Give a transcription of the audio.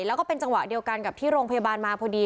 แล้วก็เป็นจังหวะเดียวกันกับที่โรงพยาบาลมาพอดี